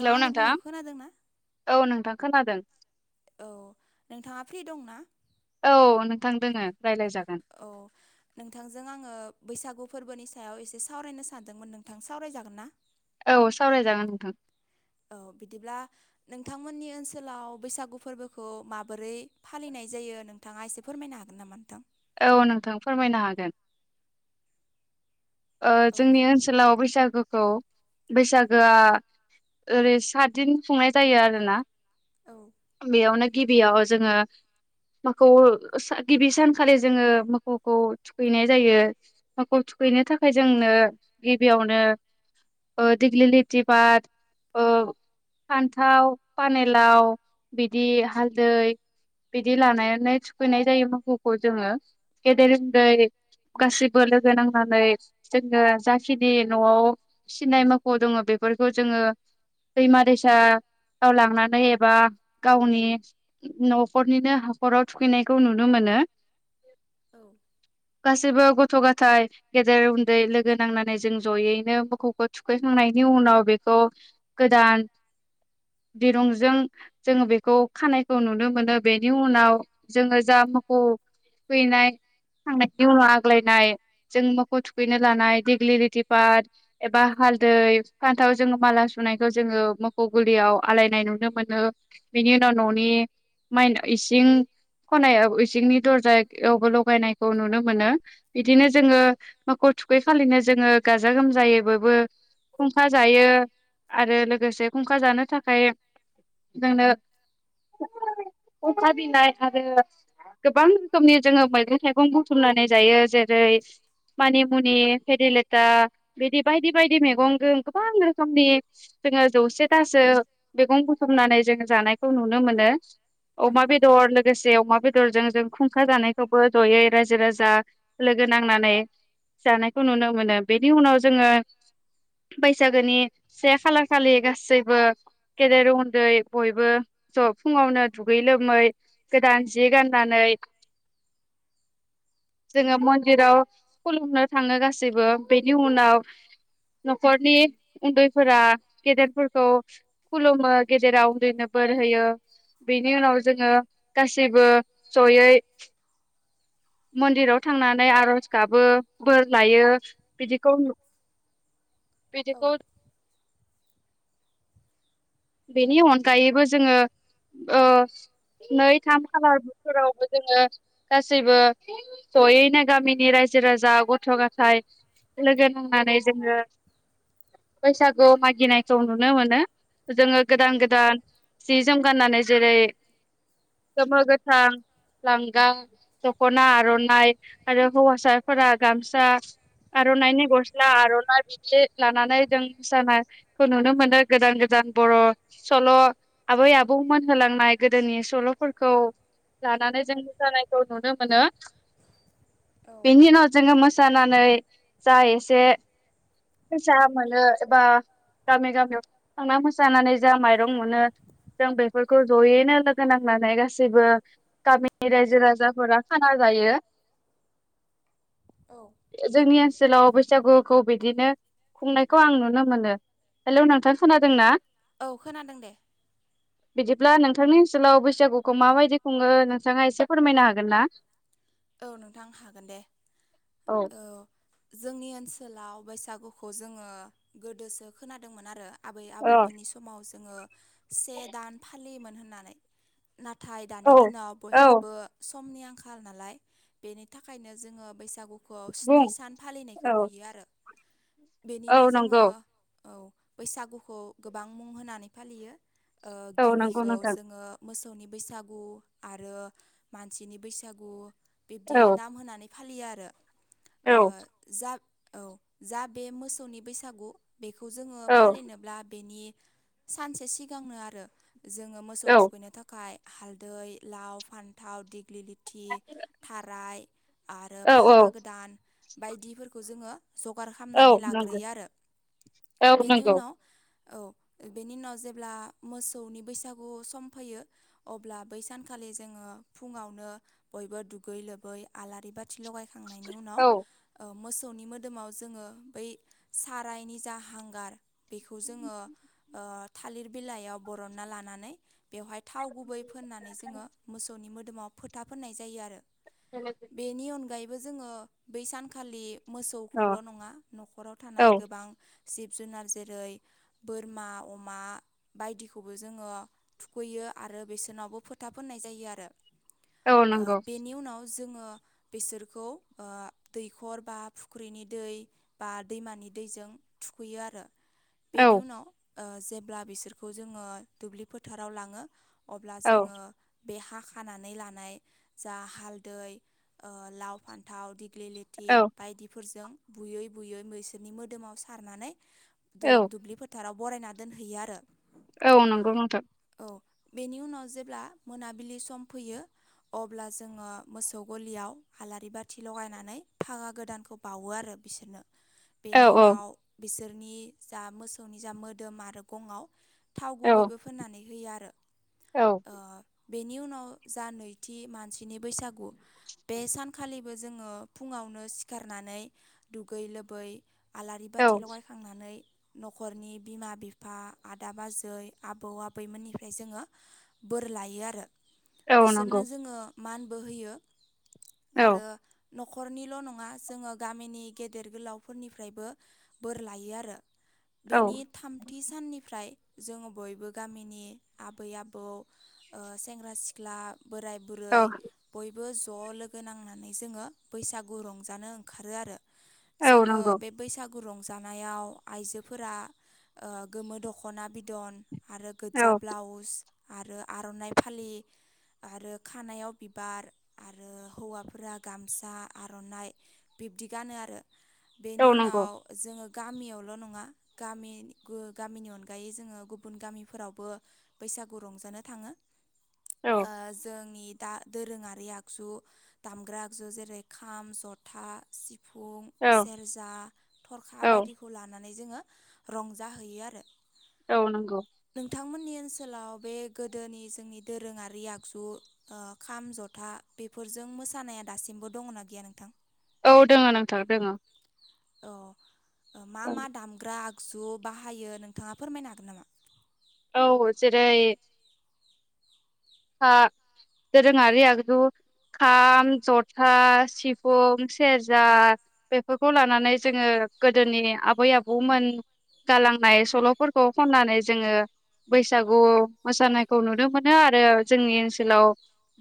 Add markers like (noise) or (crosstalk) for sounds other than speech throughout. Hello आंनि नोंथां बुंनायखौ खोनादों ना? औ नोंथां खोनादों? औ नोंथाङा फ्रि दंना? औ नोंथां दोङो। रायलायजागोन औ नोंथांजों आङो बैसागु फोरबोनि सायाव एसे सावरायनो सानदोंमोन नोंथां सावरायजागोन ना? औ सावरायजागोन नोंथां। औ बिदिब्ला नोंथांमोननि ओनसोलाव बैसागु फोरबोखौ माबोरै फालिनाय? नाय जायो नोंथाङा एसे फोरमायनो हागोन नामा नोंथां? औ नोंथां फोरमायनो हागोन। ओ औ जोंनि ओनसोलाव बैसागोखौ बैसागोआ ओरै सात दिन खुंनाय जायो आरोना। औ बेयावनो गिबियाव जोङो मोखौ गिबि सानखालि जोङो मोखौखौ थुखैनाय जायो मोखौ थुखैनो थाखाय ओमफ्राय जोंनो गिबियावनो ओ दिगलिलिथि फाथ ओ फान्थाव पानेलाव बिदि हालदै बिदि लानानै थुखैनाय जायो मोखौखौ जोङो गेदेर उन्दै गासिबो लोगो नांनानै जोङो जाखिनि न'आव फिसिनाय मोखौ दङ बेफोरखौ जोङो दैैमा दैसा याव लांनानै एबा गावनि न'खरनिनो हाखराव थुखैनायखौ नुनो मोनो। औ गासिबो गथ' गथाय गेदेर दै लोगो नांनानै जों जयैनो मोखौखौ थुखैखांनायनि उनाव बेखौ गोदान दिरुंजों जोङो बेखौ खानायखौ नुनो मोनो बेनि उनाव जोङो जा मोखौ थुखैनाय खांनायनि उनाव आग्लायनाय जों मोखौ थु थुखैनो लानाय दिग्लिलिथि पाट एबा हालदै फान्थाव जोङो माला सुनायखौ जोङो मोखौ गुलियाव आलायनाय नुनो मोनो बेनि उनाव न'नि माइनाव इसिं खनायाव इसिंनि दरजायावबो लगायनायखौ नुनो मोनो बिदिनो जोङो मोखौ थुखै खालिनो जोङो गाजा गोमजायै बयबो खुंखा जायो आरो लोगोसे खुंखा जानो थाखाय जोंनो (inaudible) अखा बिनाय आरो गोबां रोखोमनि जोङो मैगं थाइगं बुथुमनानै जायो जेरै रै मानिमुनि फेरेलेथा बिदि बायदि बायदि मैगंजों गोबां रोखोमनि जोङो जौसेथासो मैगं बुथुमनानै जोङो जानायखौ नुनो मोनो। औ अमा बेदर लोगोसे अमा बेदरजों जों खुंखा जानायखौबो जयै रायजो राजा लोगो नांनानै जानायखौ नुनो मोनो बेनि उनाव जोङो बैसागोनि से खालार खालि गासैबो गेदेर उन्दै बयबो ज' फुंङावनो दुगै लोमै गोदान जि गाननानै (inaudible) जोङो मन्दिराव खुलुमनो थांङो गासैबो बेनि उनाव न'खरनि उन्दैफोरा गेदेरफोरखौ खुलुमो गेदेरा उनदैनो बोर होयो बेनि उनाव जोंङो गासैबो जयै मन्दिराव थांनानै आरज गाबो बोर लायो बिदिखौ बिदिखौ बेनि अनगायैबो जोङो अ नै थाम खालार बोथोरावबो जोंङो गासैबो जयैनो गामिनि रायजो रायजो राजा गथ' गथाय लोगो नांनानै जोंङो बैसागु मागिनायखौ नुनो मोनो जोंङो औ गोदान गोदान जि जोम गाननानै जेरै गोमो गोथां लांगा दख'ना आर'नाइ आरो हौवासाफोरा गामसा आर'नाइनि गस्ला आर'नाइ बिदि लानानै जों मोसानायखौ नुनो मोनो गोदान गोदान बर' सल' आबै आबौमोन होलांनाय गोदोनि सल'फोरखौ लानानै जों मोसानायखौ नुनो मोनो बेनि उनाव जोंङो मोसानानै जा एसे फैसा मोनो एबा गामि गामियाव थांना जानानै जा माइरं मोनो जों बेफोरखौ जयैनो लोगो नांनानै गासैबो गामिनि रायजो राजाफोरा खाना जा जायो औ जोंनिया जेलाव बैसागुखौ बिदिनो खुंनायखौ आं नुनो मोनो हेल' नोंथां खोनादोंना? औ खोनादों दे बिदिब्ला नोंथांनि ओनसोलाव बैसागुखौ माबायदि खुङो नोंथाङा एसे फोरमायनो हागोन ना? औ नोंथां हागोन दे औ जोंनिओ ओनसोलाव बैसागुखौ जोंङो गोदोसो खोनादोंमोन आरो आबै औ आबौमोननि समाव जोंङो से दान फालियोमोन होननानै नाथाय दानि दिनाव औ बयहाबो समनि आंखाल नालाय बेनि थाखायनो जोङो बैसा गुखौ स्नि बुं सान फालिनायखौ औ नुयो आरो औ बेनिनो जोंङो नंगौ औ बैसागुखौ गोबां मुं होनानै फालियो औ नंगौ गिबिखौ नोंथां जोङो मोसौनि बैसागु आरो मानसिनि बैसागु बिबदि औ नाम होनानै फालिया आरो औ जा औ जा बे मोसौनि बैसागु बेखौ जोंङो फालिनोब्ला बेनि सानसे सिगांनो आरो जोङो मोसौ औ थुखैनो थाखाय हालदै लाव फान्थाव दिग्लि लथि गाय आरो औ औ फागा गोदान बायदिफोरखौ जोंङो जगार औ खालामनानै नंगौ लाग्रोयो आरो औ बेनि नंगौ उनाव औ बेनि उनाव जेब्ला मोसौनि बैसागु सम फैयो अब्ला बै सानखालि जोंङो फुंङावनो बयबो दुगै लोबै आलारि बाथि लगायखांनायनि उनाव औ मोसौनि मोदोमाव जोंङो बै सारायनि जा हांगार बेखौ जोंङो ओ थालिर बिलाइयाव बरनना लानानै बेवहाय थाव गुबै फोननानै जोंङो मोसौनि मोदोमाव फोथा फोननाय जायो आरो बेनि अनगायैबो जोंङो बै सानखालि अ मोसौखौल' नङा न'खराव औ थानाय गोबां जिब जिब जुनार जेरै बोरमा अमा बायदिखौबो जोङो थुखैयो आरो आरो बेसोरनावबो फोथाब फनाय जायो आरो औ नंगौ बेनि उनाव जोङो बिसोरखौ ओ दैखर बा फुख्रिनि दै बा दैमा नि दैजों थुखैयो आरो। बेनि औ उनाव ओ जेब्ला बिसोरखौ जोङो दुब्लि फोथाराव लाङो। अब्ला औ जोङो बे हा खानानै लानाय जा हाल दै ओ लाव फान्थाव दिग्लि लेथि औ बायदिफोरजों बुयै बुयै बैसोरनि मोदोमाव सारनानै औ दुब्लि फोथाराव बरायना दोनहैयो आरो। औ नंगौ नोंथां। औ बेनि उनाव जेब्ला मोनाबिलि सम फैयो अब्ला जोङो मोसौ गलियाव आलारि बाथि लगायनानै फागा गोदानखौ बावो आरो बिसोरनो। औ बेनि औ उनाव बिसोरनि जा मोसौनि जा मोदोम आरो गङाव थाव औ गुबैबो फोननानै होयो आरो। औ बेनि उनाव जा नैथि मानसिनि बैसागु बे सानखालिबो जोङो फुङावनो सिखारनानै दुगै लोबै आलारि औ बाथि लगायखांनानै न'खरनि बिमा बिफा आदा बाजै आबौ आबैमोननिफ्राय जोङो बोर लायो आरो औ बिसोरनो नंगौ जोङो मानबो होयो औ आरो न'खरनिल' नङा जोङो गामिनि गेदेर गोलावफोरनिफ्रायबो बोर लायो आरो। औ बेनि थामथि साननिफ्राय जोङो बयबो गामिनि आबै आबौ ओ सेंग्रा सिख्ला - बोराय बुरै औ बयबो ज' लोगो नांनानै जोङो बैसागु रंजानो ओंखारो आरो। औ जोङो नंगौ बे बैसाग रंजानायाव आइजोफोरा गोमो दख'ना बिदन आरो गोजा औ ब्लाउस आरो आर'नाइ फालि आरो खानायाव बिबार आरो हौवाफोरा गामसा आर'नाइ बिब्दि गानो आरो। औ बेनि नंगौ उनाव जोङो गामियावल' नङा गामि गो गामिनि अनगायै जोङो गुबुन गामिफोरावबो बै बैसागु रंजानो थाङो औ जोंनि दा दोरोङारि आगजु दामग्रा आगजु जेरै खाम ज'था सि फुं औ सेरजा थरखा औ बायदिखौ लानानै नानै जोङो रंजाहैयो आरो। औ नंगौ। बिथांमोननि ओनसोलाव बे गोदोनि जोंनि दोरोङारि आगजु ओ खाम ज'था बेफोरजों मोसानाया दासिमबो दङना गैया नोंथां। औ दोङो नंथां दोङो। औ मा मा दामग्रा आ गजु बाहायो नोंथाङा फोरमायनो हागोन नामा। औ जेरै हा दोरोङारि आगजु खाम ज'था सिफुं सेरजा बेफोरखौ लानानै जोङो गोदोनि आबै आबौमोन गालांनाय सल'फोरखौ खननानै जोङो बैसागु मोसानायखौ नुनो मोनो आरो। जोंनि ओनसोलाव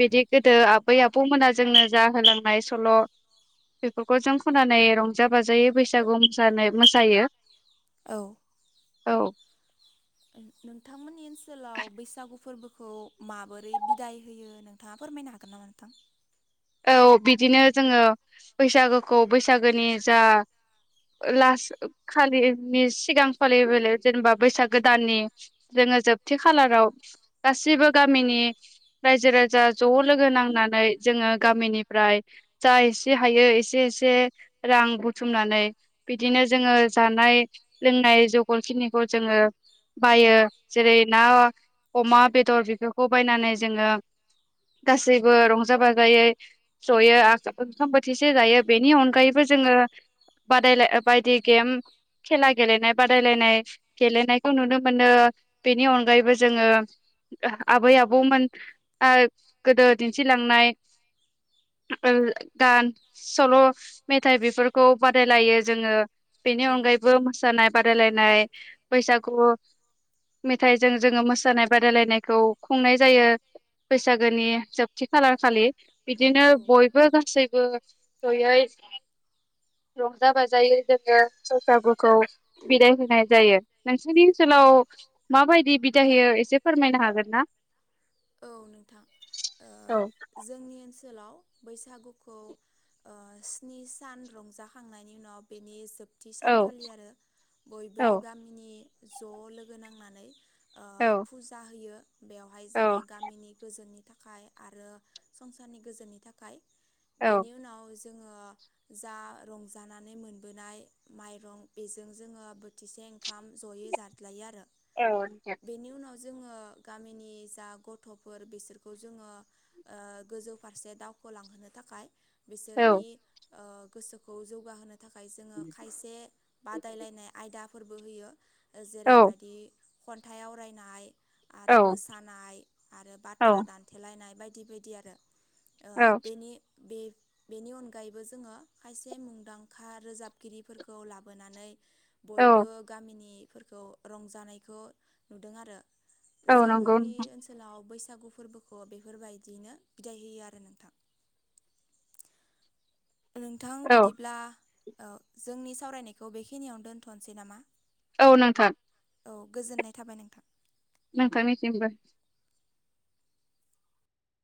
बिदि गोदो आबै आबौमोना जोंनो जा होलांनाय सल' बेफोरखौ जों खनानै रंजा बाजायै बैसागु मोसानाय मोसायो। औ। औ। नोंथांमोननि ओनसोलाव बैसागु फोरबोखौ माबोरै बिदाय होयो नोंथाङा फोरमायनो हागोन नामा नोंथां। औ बिदिनो जोङो बैसागोखौ बैसागोनि जा लास खालिनि सिगां फालियो जेनेबा बैसाग गोदाननि ज। जोंङो जोबथे खालाराव गासिबो गामिनि रायजो राजा ज लोगो नांनानै। जोंङो। गामिनिफ्राय जा एसे हायो एसे एसे रां बुथुमनानै बिदिनो। जोंङो जानाय लोंनाय जगार खिनिखौ जोंङो। बायो जेरै ना अमा बेदर बेफोरखौ बायनानै जोंङो। गासैबो रंजा बाजायै। जयै ओंखाम बोथिसे जायो बेनि अनगायैबो जोंङो। बादायलायनाय बायदि खेला। खेला गेलेनाय बादायलायनाय गेलेनायखौ नुनो मोनो बेनि अनगायैबो जोंङो। आबै आबौमोन गोदो दिन्थिलांनाय। गान सल मेथाइ बेफोरखौ बादायलायो जोंङो। बेनि औ अनगायैबो मोसानाय बादायलायनाय बैसागु। मेथाइजों जोंङो मोसानाय बादायलायनायखौ खुंनाय जायो। बैसागुनि जोबथि खालारखालि। बिदिनो औ बयबो गासैबो जयै। (inaudible) रंजा बाजायै जोंङो बैसागुखौ बिदाय होनाय जायो। नोंनि औ ओनसोलाव माबायदि बिदाय होयो एसे फोरमायनो हागोन ना। औ नोंथां औ जोंनि ओनसोलाव बैसागुखौ। स्नि सान रंजाखांनायनि उनाव बेनि जोबथा। थि औ सानखालि आरो बयबो औ गामिनि ज लोगो नांनानै। औ फुजा होयो बेवहाय औ जोंङो। गोदोनि थाखाय आरो संसारनि गोजोननि थाखाय औ बेनि उनाव। जों जा रंजानानै मोननाय माइरं बेजों जों बोथिसे। ओंखाम जयै जाज्लायो आरो। औ। जोंङो गामिनि जा गथ'। गथ'फोर बिसोरखौ जोंङो गोजौ फारसे दावखोलांहोनो थाखाय। बिसोरनि गोसोखौ जौगाहोनो थाखाय। थाखाय जोंङो खायसे बादायलायनाय आयदाफोरबो होयो जेरैबायदि। खन्थाइ आवरायनाय आरो औ मोसानाय आरो औ बाथ्रा दान्थेलायनाय। लायनाय बायदि बायदि आरो बेनि। बेनि अनगायैबो जोंङो खायसे मुंदांखा रोजाबगिरिफोरखौ लाबोनानै। औ बयबो गामिनिफोरखौ रंजानायखौ नुदों आरो। औ नंगौ जोंनि नोंथां ओनसोलाव। आव बैसागु फोरबोखौ बेफोरबायदियैनो बिदाय होयो आरो नोंथां। नोंथां औ बिदिब्ला जोंनि सावरायनायखौ बेखिनियावनो दोनथनोसै नामा। औ नोंथां। औ गोजोननाय थाबाय नोंथां। नोंथांनि सिमबो।